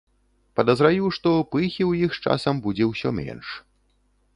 Падазраю, што пыхі ў іх з часам будзе ўсё менш.